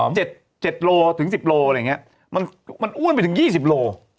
มันน่าจะได้ได้เกิน๗โลไหร่ถึง๗๑๐โลไหร่มันอ้วนไปถึง๒๐โล